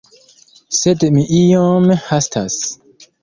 Sed mi iom hastas.